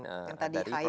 yang tadi high beam itu